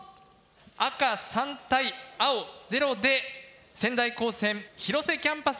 赤３対青０で仙台高専広瀬キャンパス